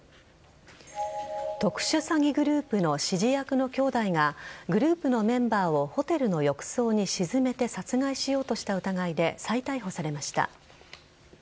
特殊詐欺グループの指示役の兄弟がグループのメンバーをホテルの浴槽に沈めて殺害しようとした疑いで再逮捕されました。